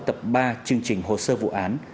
tập ba chương trình hồ sơ vụ án